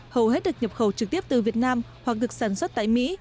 hầu hết được nhập khẩu trực tiếp từ việt nam hoặc được sản xuất tại mỹ